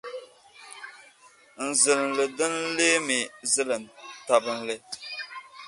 n zilinli din leemi zilin’ tabinli.